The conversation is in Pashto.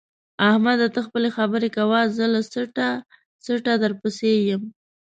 احمده! ته خپلې خبرې کوه زه له څټه څټه درپسې یم.